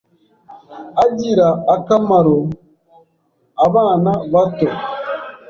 agira akamaro abana bato